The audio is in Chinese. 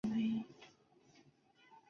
该物种的保护状况被评为近危。